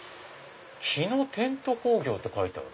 「木野テント工業」って書いてある。